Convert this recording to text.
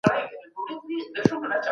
که انسان پوهه ولري نو واکمني به وکړي.